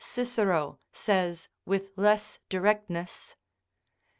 Cicero says with less directness.